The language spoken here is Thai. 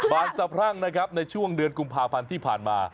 บานสะพรั่งนะครับในช่วงเดือนกุมภาพันธ์ที่ผ่านมา